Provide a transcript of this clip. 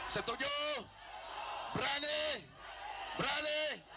setuju berani berani